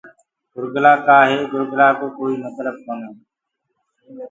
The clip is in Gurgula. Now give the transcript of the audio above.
گُرگلآ ڪآ هي گُرگلآ ڪو ڪوئيٚ متلب ڪونآ۔